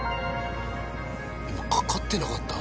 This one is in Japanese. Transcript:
今かかってなかった？